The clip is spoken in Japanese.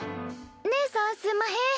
ねえさんすんまへん。